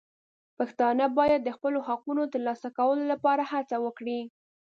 پښتانه باید د خپلو حقونو د ترلاسه کولو لپاره هڅه وکړي.